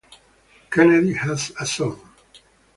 Kennedy has a son.